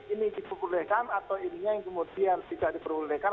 ini diperbolehkan atau ininya yang kemudian tidak diperbolehkan